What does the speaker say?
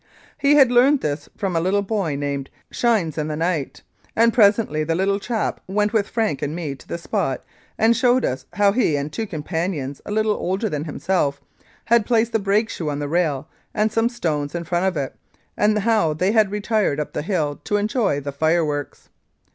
He had learned this from a little boy named " Shines in the night," and presently the little chap went with Frank and me to the spot and showed us how he and two companions, a little older than himself, had placed the brake shoe on the rail and some stones in front of it, and how they had then retired up the hill to enjoy the fireworks.